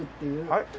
はい？